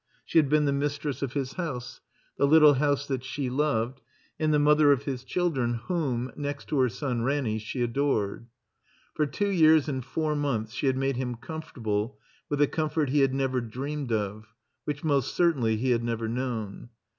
She had been the mistress 348 THE COMBINED MAZE of his house, the little house that she loved, and the mother of his children whom (next to her son Ranny) she adored. For two years and four months she had made him comfortable with a comfort he had never dreamed of, which most certainly he had never known.